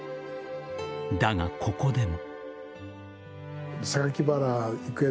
だが、ここでも。